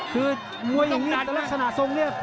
คือมวยหญิงนานแต่ลักษณะทรงเนี่ย